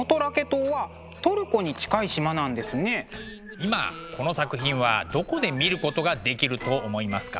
今この作品はどこで見ることができると思いますか？